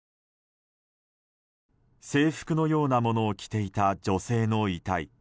制服のようなものを着ていた女性の遺体。